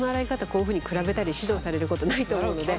こういうふうに比べたり指導されることないと思うので。